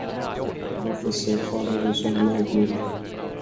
Varför ser farbror så glad ut?